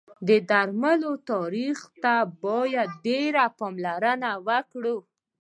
د درملو تاریخ ته باید ډېر پاملرنه وکړی